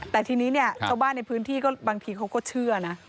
แต่ทีนี้เนี่ยชาวบ้านในพื้นที่ก็บางทีเขาก็เชื่อนะ